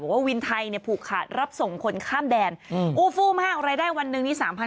ว่าวินไทยเนี่ยผูกขาดรับส่งคนข้ามแดนอู้ฟูมากรายได้วันหนึ่งนี้๓๐๐